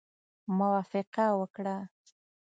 موافقه وکړه.